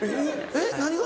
・えっ何が？